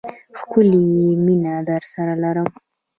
ښکلی یې، مینه درسره لرم